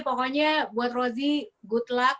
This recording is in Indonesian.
pokoknya buat rozi good luck